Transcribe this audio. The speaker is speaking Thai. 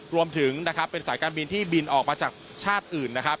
รวมถึงนะครับเป็นสายการบินที่บินออกมาจากชาติอื่นนะครับ